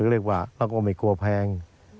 เราก็ว่าไม่กลัวแพง